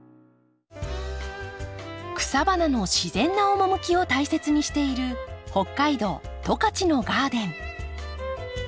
草花の自然な趣を大切にしている北海道十勝のガーデン。